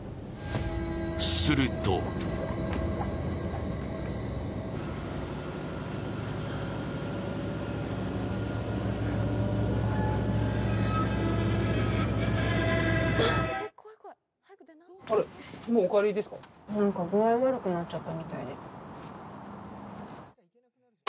すると具合悪くなっちゃったみたいで。